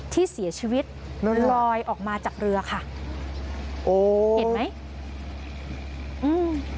ที่เสียชีวิตลอยออกมาจากเรือค่ะโอ้เห็นไหมอืม